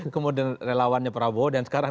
kemudian relawannya prabowo dan sekarang